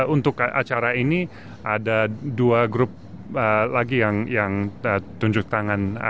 untuk acara ini ada dua grup lagi yang tunjuk tangan